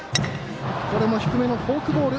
これも低めのフォークボール。